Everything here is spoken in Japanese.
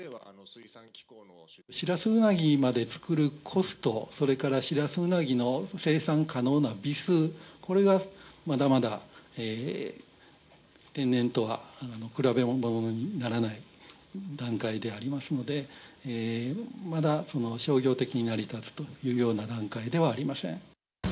シラスウナギまで作るコスト、それからシラスウナギの生産可能な尾数、これはまだまだ天然とは比べ物にならない段階でありますので、まだ商業的に成り立つというような段階ではありません。